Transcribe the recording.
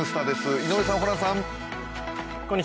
井上さん、ホランさん。